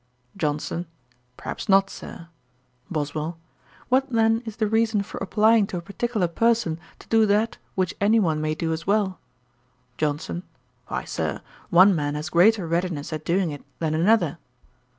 JOHNSON. 'Perhaps not, Sir.' BOSWELL. 'What then is the reason for applying to a particular person to do that which any one may do as well?' JOHNSON. 'Why, Sir, one man has greater readiness at doing it than another.'